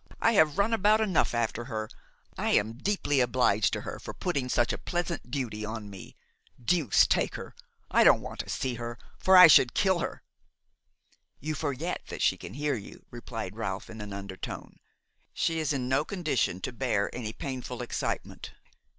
I have run about enough after her; I am deeply obliged to her for putting such a pleasant duty on me! Deuce take her! I don't want to see her, for I should kill her!" "You forget that she can hear you," replied Ralph in an undertone. "She is in no condition to bear any painful excitement.